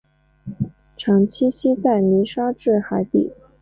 常栖息在泥沙质海底。